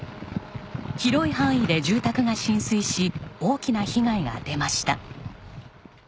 広い範囲で住宅が浸水し大きな被害が出ました。